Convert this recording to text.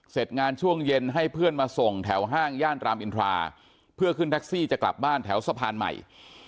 เสร็จงานช่วงเย็นให้เพื่อนมาส่งแถวห้างย่านรามอินทราเพื่อขึ้นแท็กซี่จะกลับบ้านแถวสะพานใหม่